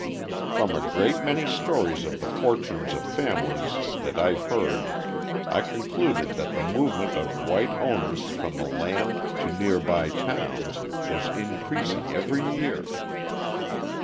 From a great many stories of the fortunes of families that I heard I concluded that the movement of white owners from the land to nearby towns was increasing every year.